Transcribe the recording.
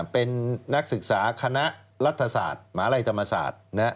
เป็นนักศึกษาคณะรัฐศาสตร์มหาลัยธรรมศาสตร์